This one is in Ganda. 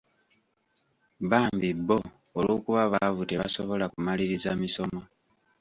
Bambi bo olw'okuba baavu tebasobola kumaliriza misomo.